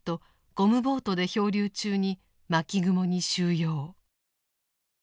ゴムボートで漂流中に「巻雲」に収容。